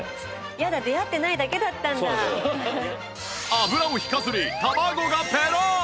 油を引かずに卵がペロン！